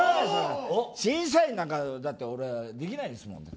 審査員なんか俺できないですもん。